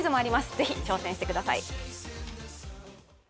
ぜひ挑戦してください。